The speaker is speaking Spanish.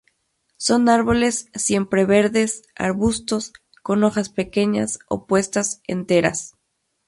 Son árboles siempreverdes, arbustos, con hojas pequeñas, opuestas, enteras.